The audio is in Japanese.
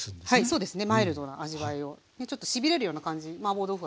そうですね。